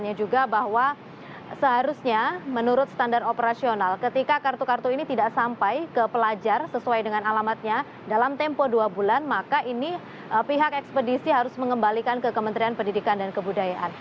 nah seharusnya menurut standar operasional ketika kartu kartu ini tidak sampai ke pelajar sesuai dengan alamatnya dalam tempo dua bulan maka ini pihak ekspedisi harus mengembalikan ke kementerian pendidikan dan kebudayaan